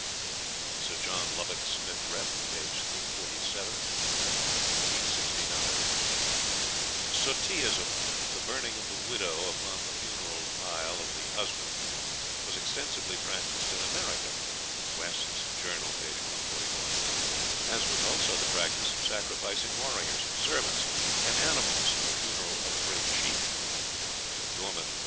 (Sir John Lubbock, "Smith. Rep.," p. 347, 1869.) Sutteeism the burning of the widow upon the funeral pile of the husband was extensively practised in America (West's "Journal," p. 141); as was also the practice of sacrificing warriors, servants, and animals at the funeral of a great chief (Dorman, pp.